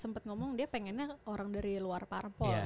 sempet ngomong dia pengennya orang dari luar parpol